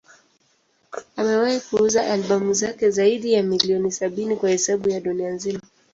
Amewahi kuuza albamu zake zaidi ya milioni sabini kwa hesabu ya dunia nzima.